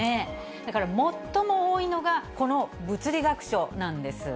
だから、最も多いのが、この物理学賞なんです。